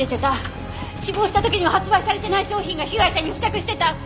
死亡した時には発売されてない商品が被害者に付着してた！